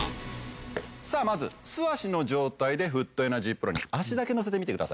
さあまず素足の状態でフットエナジープロに足だけのせてみてください。